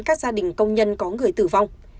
các gia đình công nhân có người tử vong